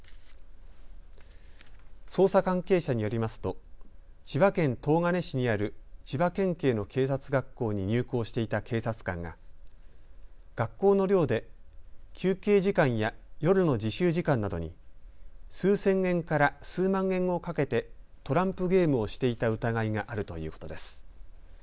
捜査関係者によりますと千葉県東金市にある千葉県警の警察学校に入校していた警察官が学校の寮で休憩時間や夜の自習時間などに数千円から数万円を賭けてトランプゲームをしていた疑いがあるということです。